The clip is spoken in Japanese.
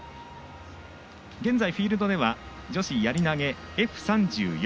現在、フィールドでは女子やり投げＦ３４。